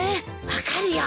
分かるよ。